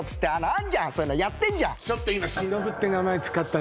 「あんじゃんそういうのやってんじゃん」